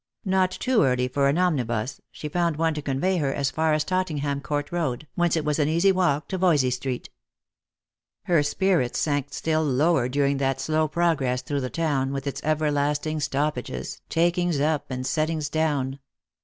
Not too early for an omnibus, she found one to convey her as far as Tottenham court road, whence it was an easy walk to Voysey street. Her spirits sank still lower during that slow progress through the town, with its everlasting stoppages, takings up and set tings down.